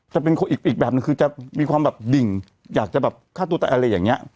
จะเป็นอีกแบบนึงคือจะมีความแบบดิ่งอยากจะแบบฆ่าตัวตายอะไรอย่างนี้